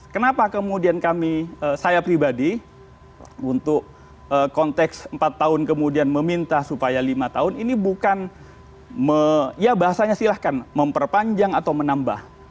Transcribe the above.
kenapa kemudian kami saya pribadi untuk konteks empat tahun kemudian meminta supaya lima tahun ini bukan ya bahasanya silahkan memperpanjang atau menambah